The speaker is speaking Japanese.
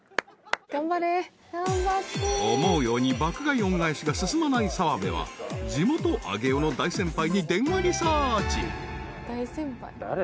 ［思うように爆買い恩返しが進まない澤部は地元上尾の大先輩に電話リサーチ］